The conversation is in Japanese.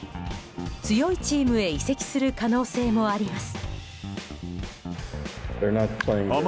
強いチームへ移籍する可能性もあります。